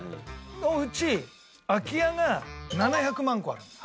のうち空き家が７００万戸ある。